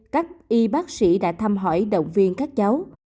các y bác sĩ đã thăm hỏi động viên các cháu